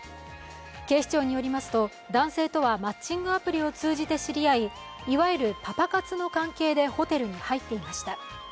警視庁によりますと、男性とはマッチングアプリを通じて知り合いいわゆるパパ活の関係でホテルに入っていました。